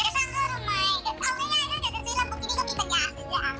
สร้างเครื่องต่ำพลัง